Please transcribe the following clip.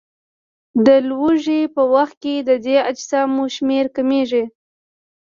د لوږې په وخت کې د دې اجسامو شمېر کمیږي.